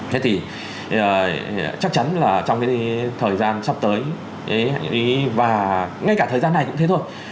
thế thì chắc chắn là trong cái thời gian sắp tới và ngay cả thời gian này cũng thế thôi